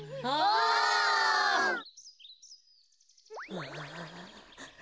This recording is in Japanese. ああ。